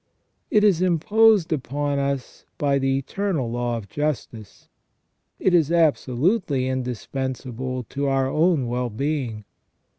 It is imposed upon us by the eternal law of justice. It is absolutely indispensable to our own wellbeing.